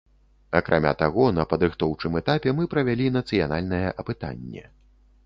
Акрамя таго, на падрыхтоўчым этапе мы правялі нацыянальнае апытанне.